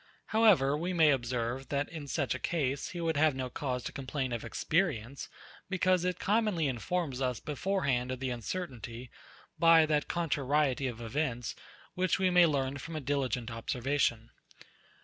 However, we may observe, that, in such a case, he would have no cause to complain of experience; because it commonly informs us beforehand of the uncertainty, by that contrariety of events, which we may learn from a diligent observation.